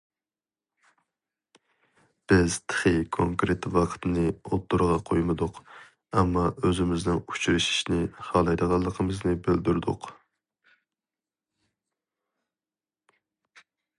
بىز تېخى كونكرېت ۋاقتىنى ئوتتۇرىغا قويمىدۇق، ئەمما ئۆزىمىزنىڭ ئۇچرىشىشنى خالايدىغانلىقىمىزنى بىلدۈردۇق.